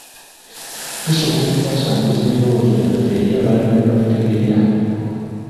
Tusobola okwasanguza ebirowoozo byaffe eri abalala ne batutegeera.